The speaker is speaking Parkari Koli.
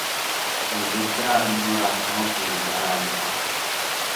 ان ڀسترا ٻِيزون رو گھرون ٿِي اُوڌارا لِيڌا۔